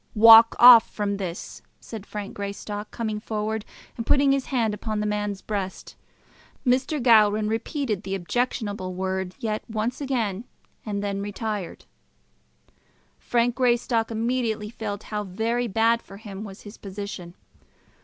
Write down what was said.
"Walk off from this!" said Frank Greystock, coming forward and putting his hand upon the man's breast. Mr. Gowran repeated the objectionable word yet once again, and then retired. Frank Greystock immediately felt how very bad for him was his position.